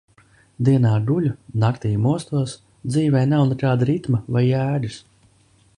Dienā guļu, naktī mostos, dzīvei nav nekāda ritma vai jēgas.